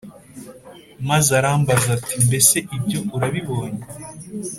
Maze arambaza ati Mbese ibyo urabibonye